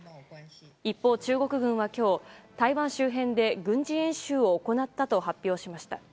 一方、中国軍は今日台湾周辺で軍事演習を行ったと発表しました。